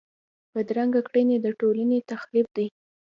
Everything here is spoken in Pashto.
بدرنګه کړنې د ټولنې تخریب دي